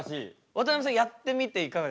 渡辺さんやってみていかがでした？